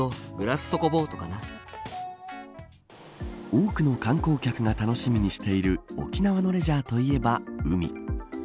多くの観光客が楽しみにしている沖縄のレジャーといえば海。